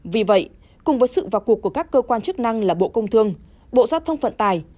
vì vậy cùng với sự vào cuộc của các cơ quan chức năng là bộ công thương bộ giao thông vận tài